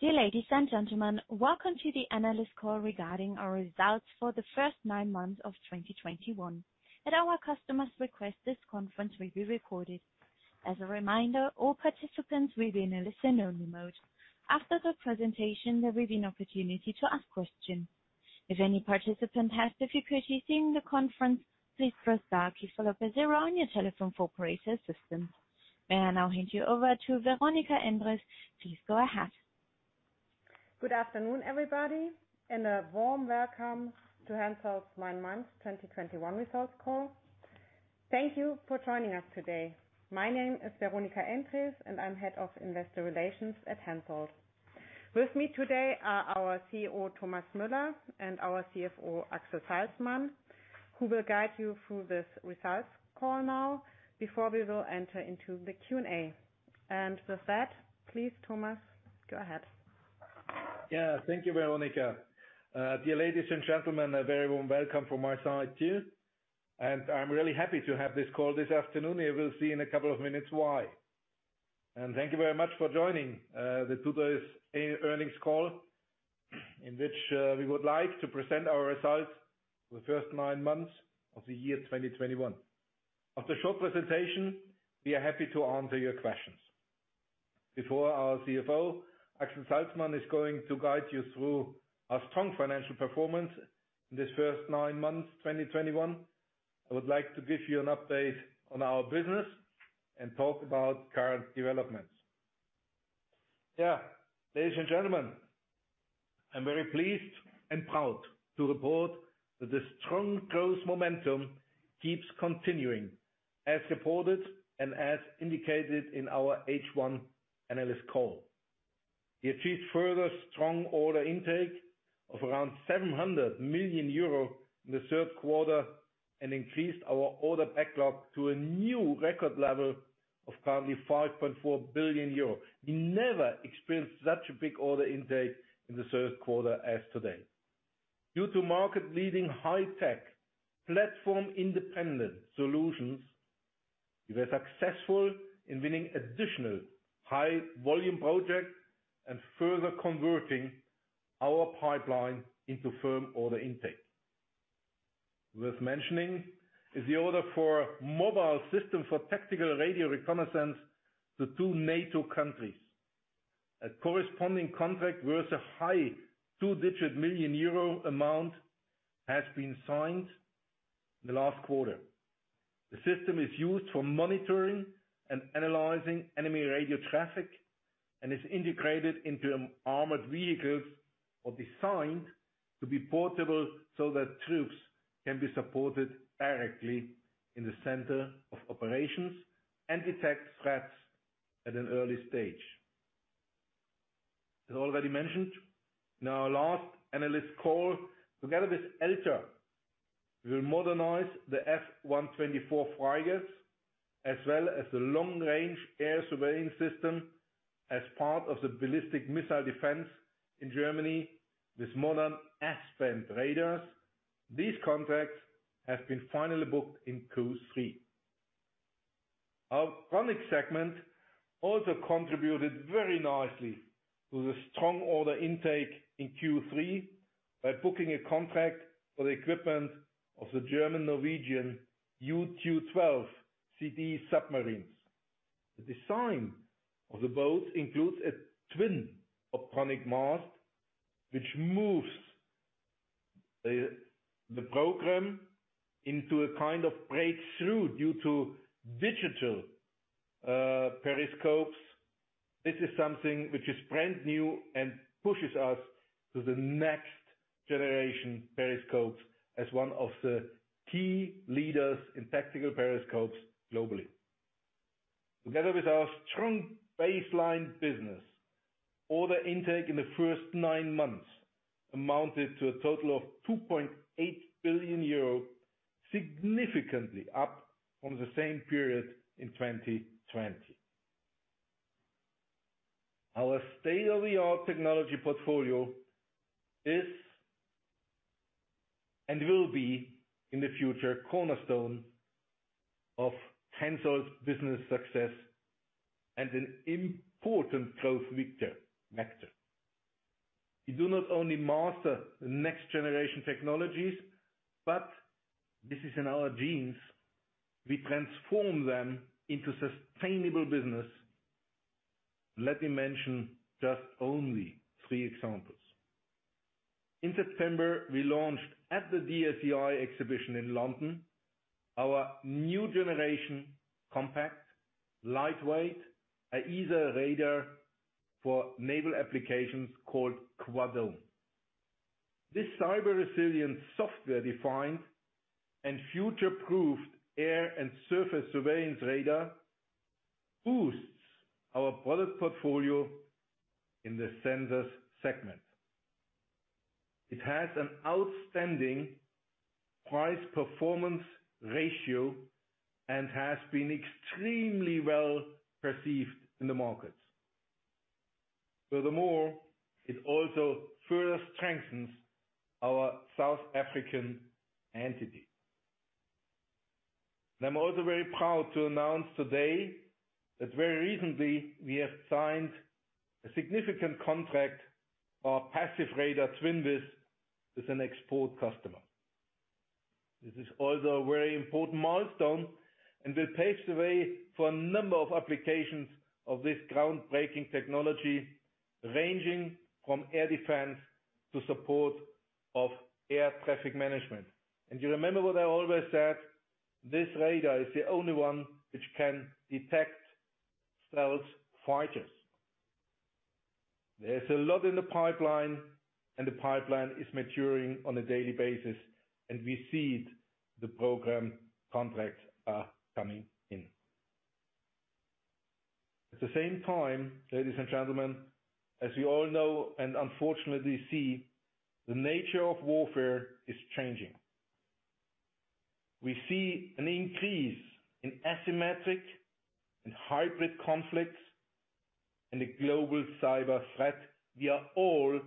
Dear ladies and gentlemen, welcome to the analyst call regarding our results for the first nine months of 2021. At our customer's request, this conference will be recorded. As a reminder, all participants will be in a listen-only mode. After the presentation, there will be an opportunity to ask questions. If any participant has difficulty seeing the conference, please press star key followed by zero on your telephone operator system. May I now hand you over to Veronika Endres. Please go ahead. Good afternoon, everybody, and a warm welcome to HENSOLDT's nine months 2021 results call. Thank you for joining us today. My name is Veronika Endres, and I'm head of investor relations at HENSOLDT. With me today are our CEO, Thomas Müller, and our CFO, Axel Salzmann, who will guide you through this results call now before we will enter into the Q&A. With that, please, Thomas, go ahead. Yeah. Thank you, Veronika. Dear ladies and gentlemen, a very warm welcome from my side, too. I'm really happy to have this call this afternoon. You will see in a couple of minutes why. Thank you very much for joining the today's earnings call in which we would like to present our results for the first nine months of the year 2021. After short presentation, we are happy to answer your questions. Before our CFO, Axel Salzmann, is going to guide you through our strong financial performance in this first nine months 2021, I would like to give you an update on our business and talk about current developments. Yeah. Ladies and gentlemen, I'm very pleased and proud to report that the strong growth momentum keeps continuing, as reported and as indicated in our H1 analyst call. We achieved further strong order intake of around 700 million euro in the third quarter and increased our order backlog to a new record level of currently 5.4 billion euro. We never experienced such a big order intake in the third quarter as today. Due to market-leading high-tech platform-independent solutions, we were successful in winning additional high volume projects and further converting our pipeline into firm order intake. Worth mentioning is the order for mobile system for tactical radio reconnaissance to two NATO countries. A corresponding contract worth a high two-digit million EUR amount has been signed in the last quarter. The system is used for monitoring and analyzing enemy radio traffic and is integrated into an armored vehicles or designed to be portable so that troops can be supported directly in the center of operations and detect threats at an early stage. As already mentioned in our last analyst call, together with ELTA, we will modernize the F-124 frigates as well as the long-range air surveillance system as part of the ballistic missile defense in Germany with modern AESA radars. These contracts have been finally booked in Q3. Our Optronics segment also contributed very nicely to the strong order intake in Q3 by booking a contract for the equipment of the German-Norwegian U-212CD submarines. The design of the boats includes a twin optronic mast, which moves the program into a kind of breakthrough due to digital periscopes. This is something which is brand new and pushes us to the next generation periscopes as one of the key leaders in tactical periscopes globally. Together with our strong baseline business, order intake in the first nine months amounted to a total of 2.8 billion euros, significantly up from the same period in 2020. Our state-of-the-art technology portfolio is and will be, in the future, cornerstone of HENSOLDT's business success and an important growth factor. We do not only master the next generation technologies, but this is in our genes. We transform them into sustainable business. Let me mention just only three examples. In September, we launched at the DSEI exhibition in London our new generation compact, lightweight, AESA radar for naval applications called Quadome. This cyber-resilient software-defined and future-proofed air and surface surveillance radar boosts our product portfolio in the sensors segment. It has an outstanding price-performance ratio and has been extremely well received in the markets. Furthermore, it also further strengthens our South African entity. I'm also very proud to announce today that very recently we have signed a significant contract for passive radar TwInvis with an export customer. This is also a very important milestone and will pave the way for a number of applications of this groundbreaking technology, ranging from air defense to support of air traffic management. You remember what I always said, this radar is the only one which can detect stealth fighters. There's a lot in the pipeline, and the pipeline is maturing on a daily basis, and we see it, the program contracts are coming in. At the same time, ladies and gentlemen, as you all know and unfortunately see, the nature of warfare is changing. We see an increase in asymmetric and hybrid conflicts and the global cyber threat we are all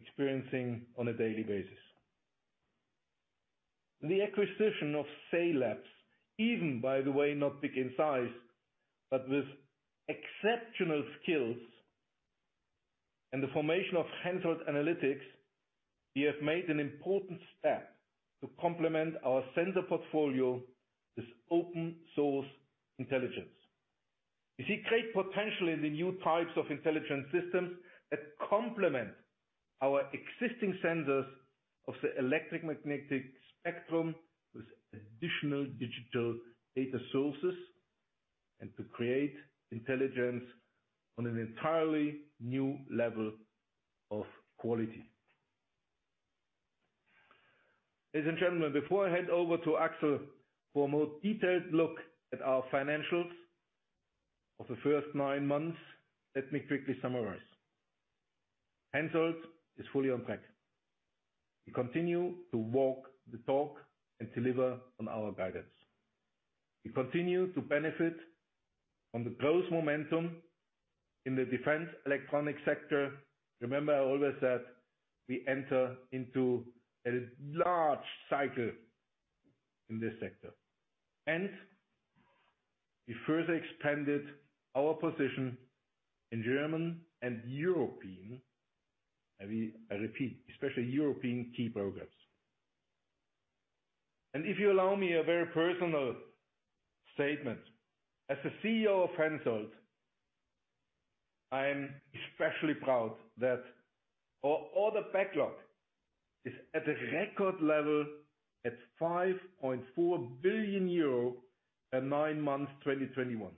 experiencing on a daily basis. The acquisition of SAIL LABS, even by the way, not big in size, but with exceptional skills and the formation of HENSOLDT Analytics, we have made an important step to complement our sensor portfolio, this open-source intelligence. We see great potential in the new types of intelligence systems that complement our existing sensors of the electromagnetic spectrum with additional digital data sources, and to create intelligence on an entirely new level of quality. Ladies and gentlemen, before I hand over to Axel for a more detailed look at our financials of the first nine months, let me quickly summarize. HENSOLDT is fully on track. We continue to walk the talk and deliver on our guidance. We continue to benefit from the growth momentum in the defense electronic sector. Remember I always said we enter into a large cycle in this sector. We further expanded our position in German and European, I repeat, especially European key programs. If you allow me a very personal statement, as the CEO of HENSOLDT, I am especially proud that our order backlog is at a record level at 5.4 billion euro at nine months 2021.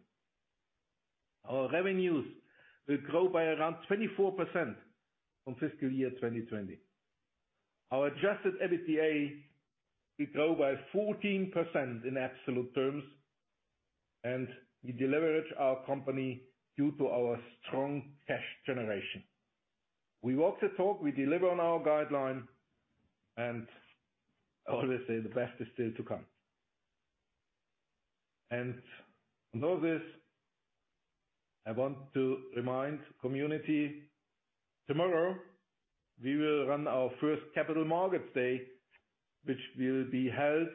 Our revenues will grow by around 24% from fiscal year 2020. Our adjusted EBITDA will grow by 14% in absolute terms, and we deleverage our company due to our strong cash generation. We walk the talk, we deliver on our guideline, and I always say the best is still to come. On all this, I want to remind community tomorrow we will run our first Capital Markets Day, which will be held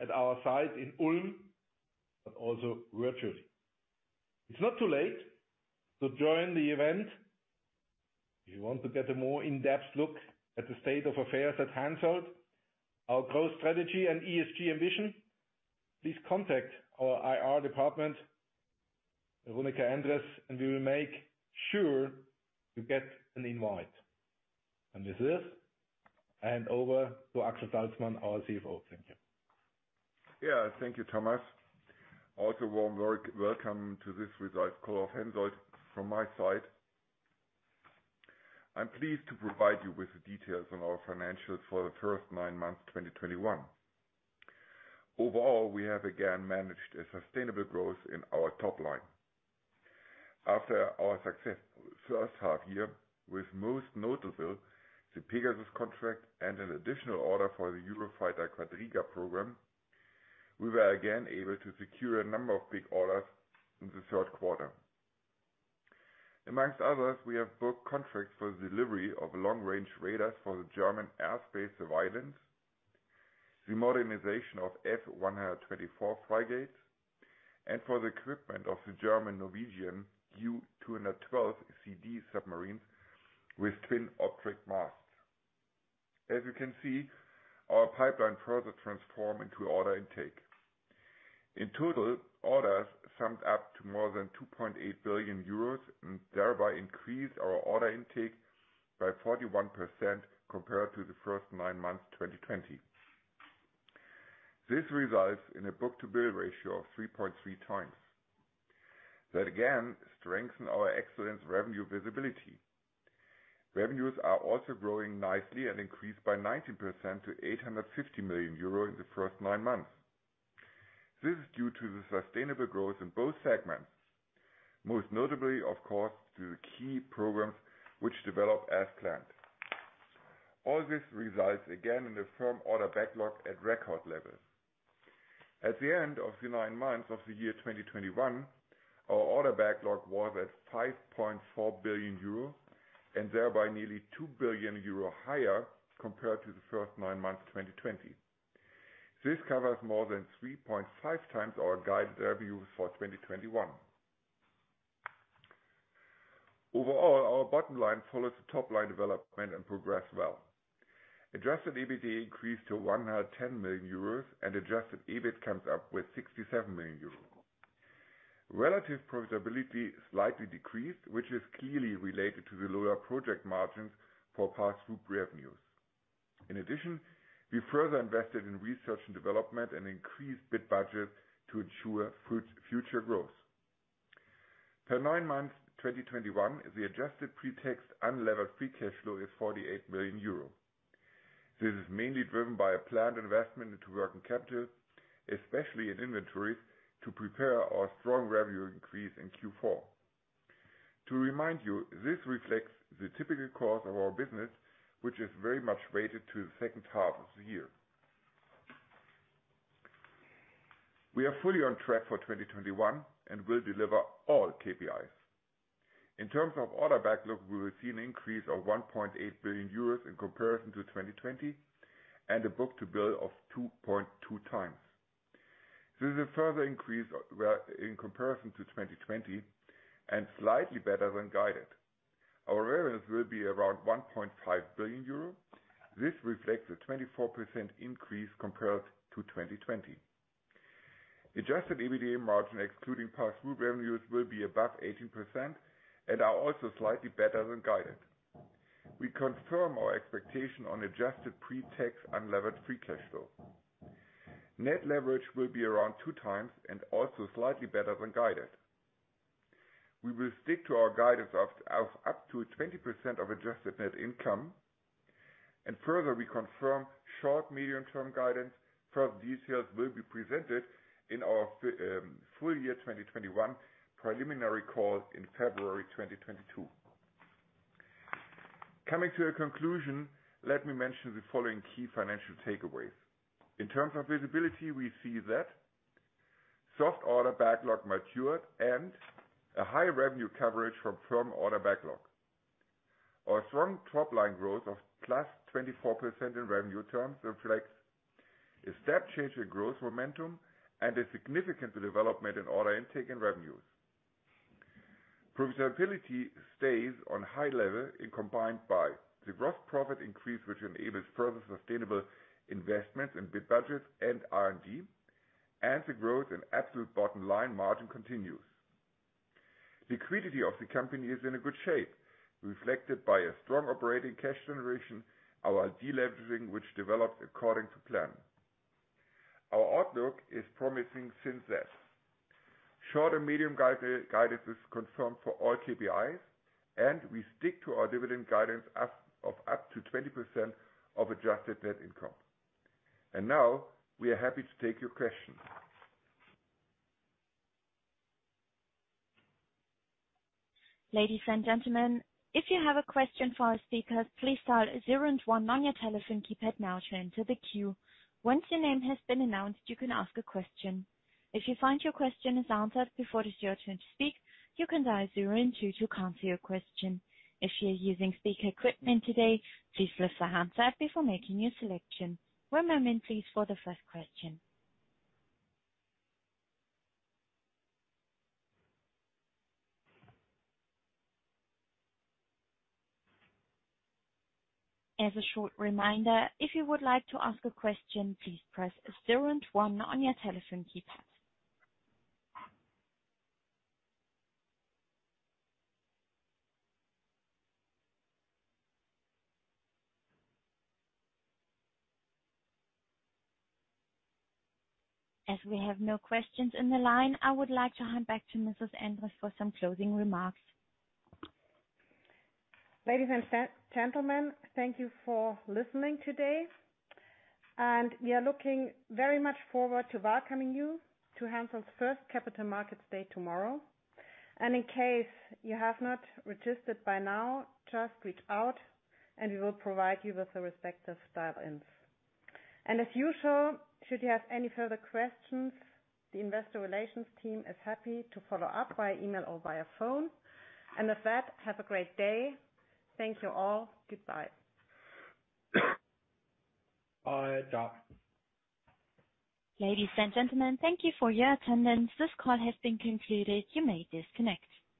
at our site in Ulm, but also virtually. It's not too late to join the event. If you want to get a more in-depth look at the state of affairs at HENSOLDT, our growth strategy and ESG ambition, please contact our IR department, Veronika Endres, and we will make sure you get an invite. With this, I hand over to Axel Salzmann, our CFO. Thank you. Yeah. Thank you, Thomas. Also, warm welcome to this results call of HENSOLDT from my side. I'm pleased to provide you with the details on our financials for the first nine months, 2021. Overall, we have again managed a sustainable growth in our top line. After our first half year, with most notable the Pegasus contract and an additional order for the Eurofighter Quadriga program, we were again able to secure a number of big orders in the third quarter. Among others, we have booked contracts for the delivery of long-range radars for the German airspace surveillance, the modernization of F124 frigates, and for the equipment of the German-Norwegian U212 CD submarines with twin optronic masts. As you can see, our pipeline further transform into order intake. In total, orders summed up to more than 2.8 billion euros and thereby increased our order intake by 41% compared to the first nine months of 2020. This results in a book-to-bill ratio of 3.3 times. That again strengthen our excellent revenue visibility. Revenues are also growing nicely and increased by 19% to 850 million euro in the first nine months. This is due to the sustainable growth in both segments, most notably, of course, to the key programs which developed as planned. All this results again in the firm order backlog at record levels. At the end of the nine months of the year 2021. Our order backlog was at 5.4 billion euro, and thereby nearly 2 billion euro higher compared to the first nine months of 2020. This covers more than 3.5x our guided revenues for 2021. Overall, our bottom line follows the top line development and progress well. Adjusted EBITDA increased to 110 million euros and adjusted EBIT comes up with 67 million euros. Relative profitability slightly decreased, which is clearly related to the lower project margins for pass-through revenues. In addition, we further invested in research and development and increased bid budget to ensure future growth. For nine months 2021, the adjusted pre-tax unlevered free cash flow is 48 million euro. This is mainly driven by a planned investment into working capital, especially in inventories, to prepare our strong revenue increase in Q4. To remind you, this reflects the typical course of our business, which is very much weighted to the second half of the year. We are fully on track for 2021 and will deliver all KPIs. In terms of order backlog, we will see an increase of 1.8 billion euros in comparison to 2020 and a book-to-bill of 2.2x. This is a further increase in comparison to 2020 and slightly better than guided. Our revenues will be around 1.5 billion euro. This reflects a 24% increase compared to 2020. Adjusted EBITDA margin, excluding pass-through revenues, will be above 18% and are also slightly better than guided. We confirm our expectation on adjusted pre-tax unlevered free cash flow. Net leverage will be around 2x and also slightly better than guided. We will stick to our guidance of up to 20% of adjusted net income. Further, we confirm short, medium-term guidance. Further details will be presented in our full year 2021 preliminary call in February 2022. Coming to a conclusion, let me mention the following key financial takeaways. In terms of visibility, we see that soft order backlog matured and a high revenue coverage from firm order backlog. Our strong top-line growth of +24% in revenue terms reflects a step change in growth momentum and a significant development in order intake and revenues. Profitability stays on high level and combined by the gross profit increase, which enables further sustainable investments in bid budgets and R&D. The growth in absolute bottom line margin continues. Liquidity of the company is in a good shape, reflected by a strong operating cash generation, our deleveraging, which developed according to plan. Our outlook is promising since this. Short- and medium-term guidance is confirmed for all KPIs, and we stick to our dividend guidance of up to 20% of Adjusted Net Income. Now we are happy to take your questions. Ladies and gentlemen, if you have a question for our speakers, please dial zero and one on your telephone keypad now to enter the queue. Once your name has been announced, you can ask a question. If you find your question is answered before it is your turn to speak, you can dial zero and two to cancel your question. If you're using speaker equipment today, please lift the handset before making your selection. One moment, please, for the first question. As a short reminder, if you would like to ask a question, please press zero and one on your telephone keypad. As we have no questions in the line, I would like to hand back to Mrs. Endres for some closing remarks. Ladies and gentlemen, thank you for listening today, and we are looking very much forward to welcoming you to HENSOLDT's first Capital Markets Day tomorrow. In case you have not registered by now, just reach out, and we will provide you with the respective dial-ins. As usual, should you have any further questions, the investor relations team is happy to follow up via email or via phone. With that, have a great day. Thank you all. Goodbye. Bye. Ciao. Ladies and gentlemen, thank you for your attendance. This call has been concluded. You may disconnect.